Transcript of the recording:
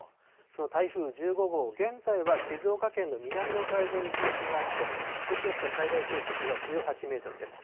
その台風１５号、現在は静岡県の南の海上に中心があって、中心付近の最大風速は１８メートルです。